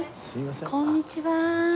こんにちは。